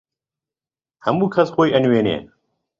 هەموو کەس خۆی ئەنوێنێ